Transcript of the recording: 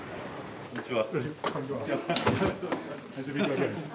こんにちは。